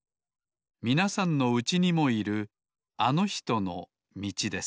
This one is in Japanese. みなさんのうちにもいるあのひとのみちです